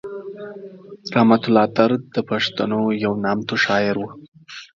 رحمت الله درد د پښتنو یو نامتو شاعر و.